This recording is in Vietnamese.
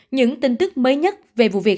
những tin tức mới nhất về vụ việc